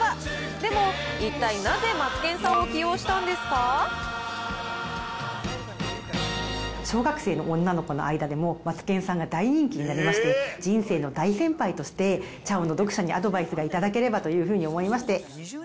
でも、一体なぜ、マツケンさんを小学生の女の子の間でも、マツケンさんが大人気になりまして、人生の大先輩として、ちゃおの読者にアドバイスが頂ければというふうに思いまして。